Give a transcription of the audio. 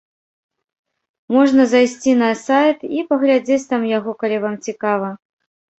Можна зайсці на сайт і паглядзець там яго, калі вам цікава.